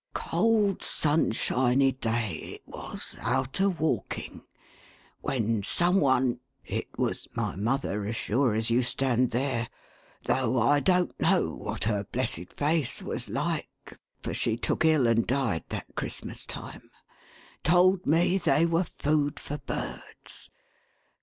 Cold, sunshiny day it was, out a walking, when some one — it was my mother as sure as you stand there, though I don't know what her blessed face was like, for she took ill and died that Christmas time—told me they were food for birds.